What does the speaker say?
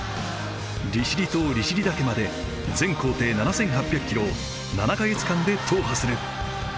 利尻島利尻岳まで全行程７，８００キロを７か月間で踏破する。